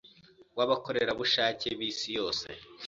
w’abakorerabushake b,isi yose.